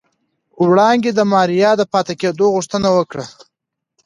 وړانګې د ماريا د پاتې کېدو غوښتنه وکړه.